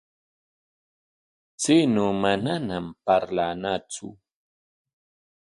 Chaynaw manam parlanatsu.